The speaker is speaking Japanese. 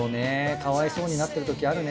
かわいそうになってるときあるね。